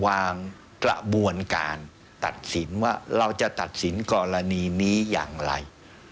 กระบวนการตัดสินว่าเราจะตัดสินกรณีนี้อย่างไร